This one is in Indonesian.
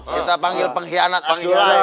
kita panggil pengkhianat asdulai